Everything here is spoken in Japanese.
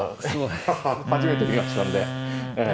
初めて見ましたんでええ。